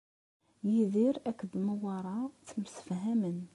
Yidir akked Newwara ttemsefhamen.